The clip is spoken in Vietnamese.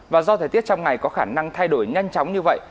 và do thời tiết trong ngày có khả năng thay đổi nhanh chóng như vậy